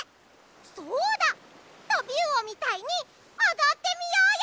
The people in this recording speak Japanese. そうだトビウオみたいにおどってみようよ！